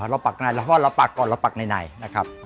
เราปักไหนเราปักก่อนเราปักในในนะครับ